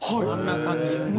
あんな感じ。